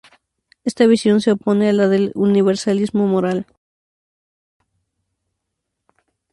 Esta visión se opone a la del universalismo moral.